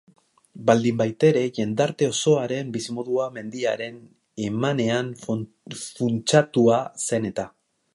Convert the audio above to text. Baldinbaitere, jendarte osoaren bizimodua mendiaren emanean funtsatua zen eta.